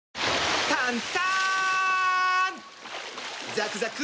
ザクザク！